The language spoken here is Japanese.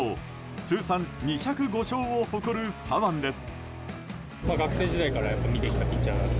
通算２０５勝を誇る左腕です。